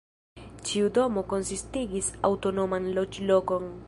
Ĉiu domo konsistigis aŭtonoman loĝlokon.